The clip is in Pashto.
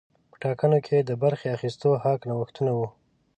په ټاکنو کې د برخې اخیستو حق نوښتونه وو.